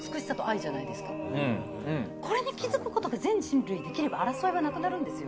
これに気づくことが全人類できれば争いはなくなるんですよ。